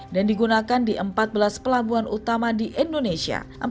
dan digunakan di empat belas pelabuhan utama di indonesia